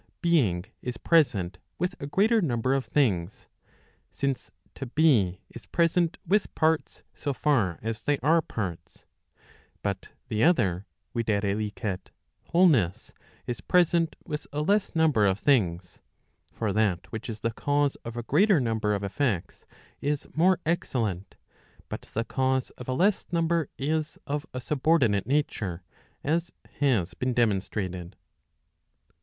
being, is present with a greater number of things ; since to be is present with parts, so tar as they are parts. But the other, viz. wholeness, is present with a less number of things. For that which is the cause of a greater number of effects is more excellent; but the cause of a leSs number is of a subordi¬ nate nature, as has been demonstrated.